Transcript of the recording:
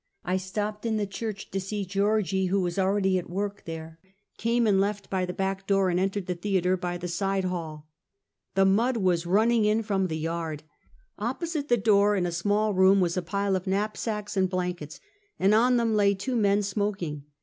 I stopped in the church to see Georgie, who was already at work there, came and left by the back door, and entered the thea ter by the side hall. The mud was running in from the yard. Oppo site the door, in a small room, was a pile of knap sacks and blankets ; and on them lay two men smok ing.